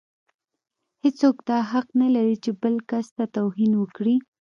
هيڅوک دا حق نه لري چې بل کس ته توهين وکړي.